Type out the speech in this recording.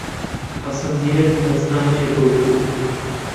حەسەن زیرەک ناسنامەیە بۆ کورد